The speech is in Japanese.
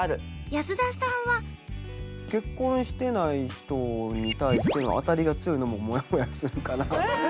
安田さんは？結婚してない人に対しての当たりが強いのももやもやするかな。